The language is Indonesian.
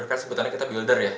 kan sebutannya kita builder ya